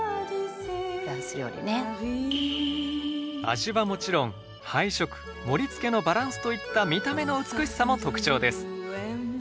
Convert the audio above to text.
味はもちろん配色盛りつけのバランスといった見た目の美しさも特徴です。